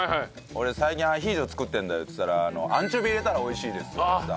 俺最近アヒージョ作ってるんだよっつったらアンチョビ入れたら美味しいですよってさ。